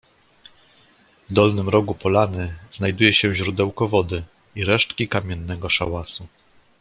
W dolnym rogu polany znajduje się źródełko wody i resztki kamiennego szałasu.